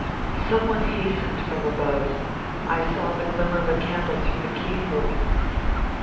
Some one hastened from above. I saw the glimmer of a candle through the keyhole.